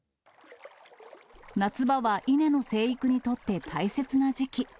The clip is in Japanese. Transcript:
夏場は稲の生育にとって大切な時期。